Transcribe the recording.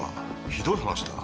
ひどい話だな。